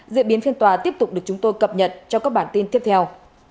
diễn biến phiên tòa tiếp tục được chúng tôi cập nhật trong các bản tin tiếp theo